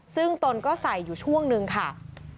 ซึ่งตนก็ใส่อยู่ช่วงนึงค่ะ